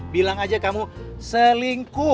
bilang aja kamu selingkuh